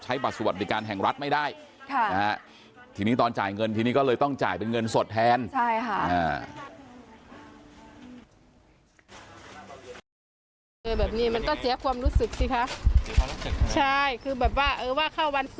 บัตรสวัสดิการแห่งรัฐไม่ได้ทีนี้ตอนจ่ายเงินทีนี้ก็เลยต้องจ่ายเป็นเงินสดแทนใช่ค่ะ